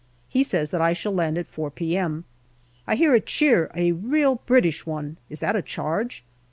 He says that I shall land at 4 p.m. I hear a cheer, a real British one. Is that a charge